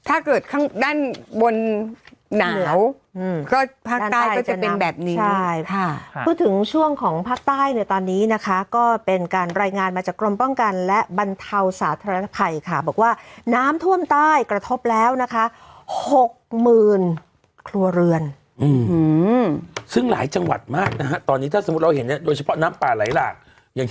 ข้างด้านบนหนาวก็ภาคใต้ก็จะเป็นแบบนี้ใช่ค่ะพูดถึงช่วงของภาคใต้เนี่ยตอนนี้นะคะก็เป็นการรายงานมาจากกรมป้องกันและบรรเทาสาธารณภัยค่ะบอกว่าน้ำท่วมใต้กระทบแล้วนะคะหกหมื่นครัวเรือนซึ่งหลายจังหวัดมากนะฮะตอนนี้ถ้าสมมุติเราเห็นเนี่ยโดยเฉพาะน้ำป่าไหลหลากอย่าง